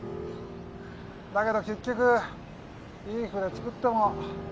だけど結局いい船造っても